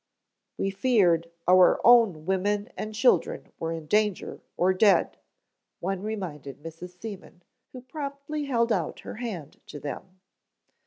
"We feared our own women and children were in danger, or dead," one reminded Mrs. Seaman, who promptly held out her hand to them.